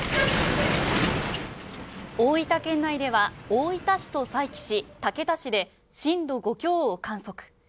大分県内では、大分市と佐伯市、竹田市で震度５強を観測。